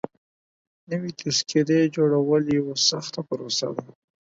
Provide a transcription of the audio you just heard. نوي تذکيري جوړول يوه سخته پروسه ده.